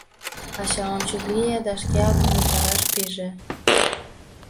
Ача ончык лие да шкеак умылтараш пиже: